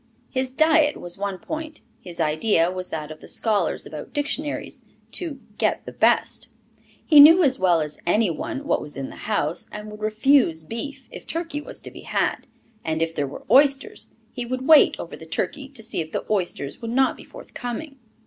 His diet was one point; his idea was that of the scholars about dictionaries, to "get the best." He knew as well as any one what was in the house, and would refuse beef if turkey was to be had; and if there were oysters, he would wait over the turkey to see if the oysters would not be forthcoming.